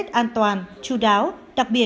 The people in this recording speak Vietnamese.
với tổ chức ấn độ